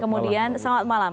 kemudian selamat malam